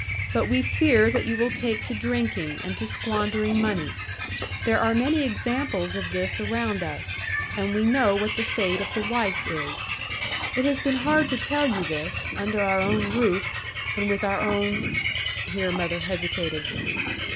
But we fear that you will take to drinking, and to squandering money. There are many examples of this around us; and we know what the fate of the wife is. It has been hard to tell you this, under our own roof, and with our own ' Here mother hesitated.